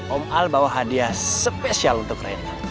om al bawa hadiah spesial untuk rena